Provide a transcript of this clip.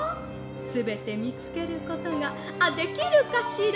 すべてみつけることがあっできるかしら？